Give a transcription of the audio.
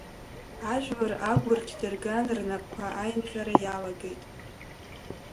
Ажәлар агәырқь дырган рнапқәа аинҟьара иалагеит.